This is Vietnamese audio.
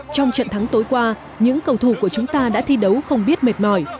trong trận thắng tối qua những cầu thủ của chúng ta đã thi đấu không biết mệt mỏi